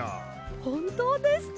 ほんとうですか！